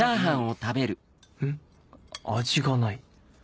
味がない